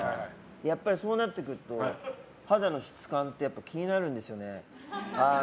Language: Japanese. やっぱり、そうなってくると肌の質感って気になるんですよね。